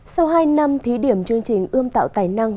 sau hai năm thí điểm chương trình ươm tạo tài năng